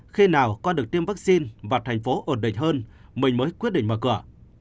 khi nào con được tiêm vaccine và thành phố ổn định hơn mình mới quyết định mở cửa